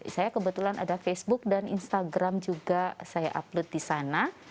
saya kebetulan ada facebook dan instagram juga saya upload di sana